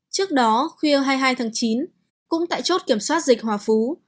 trước đó khuya hai mươi hai tháng chín cũng tại chốt kiểm soát dịch hòa phú